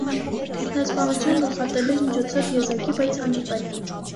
Ինքնասպանություն գլխատելու միջոցով եզակի, բայց հանդիպել է։